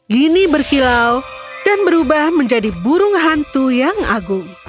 kini berkilau dan berubah menjadi burung hantu yang agung